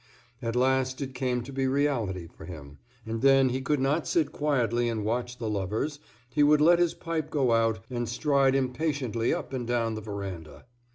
At last it came to be reality for him, and then he could not sit quietly and watch the lovers; he would let his pipe go out, and stride impatiently up and down the veranda.